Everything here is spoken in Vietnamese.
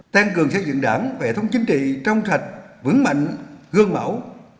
tăng cường xây dựng đảng vệ thống chính trị trong sạch vững mạnh gương mẫu